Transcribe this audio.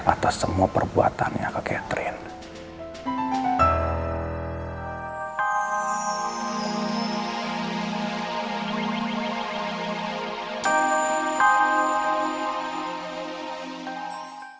atas semua perbuatannya ke catherine